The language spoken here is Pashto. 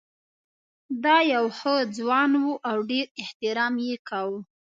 دی یو ښه ځوان و او ډېر احترام یې کاوه.